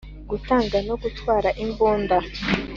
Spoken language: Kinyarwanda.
Gutanga no gutwara imbunda